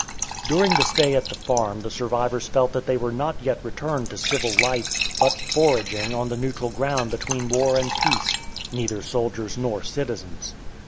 [Illustration: C.S. Buttons off] During the stay at the farm the survivors felt that they were not yet returned to civil life, but "foraging" on the neutral ground between war and peace, neither soldiers nor citizens.